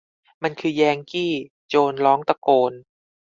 มันคือแยงกี้ โจนร้องตะโกน